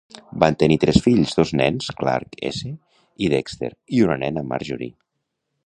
Van tenir tres fills, dos nens Clark S. i Dexter, i una nena Marjorie.